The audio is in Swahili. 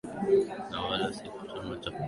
na wala si kuleta machafuko kama ambavyo